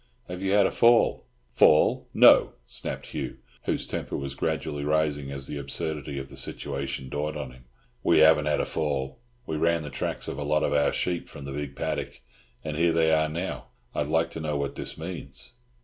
Have you had a fall?" "Fall! No!" snapped Hugh, whose temper was gradually rising as the absurdity of the situation dawned on him. "We haven't had a fall. We ran the tracks of a lot of our sheep from the big paddock, and here they are now. I'd like to know what this means?"